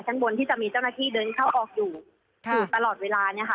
ข้างบนที่จะมีเจ้าหน้าที่เดินเข้าออกอยู่อยู่ตลอดเวลาเนี่ยค่ะ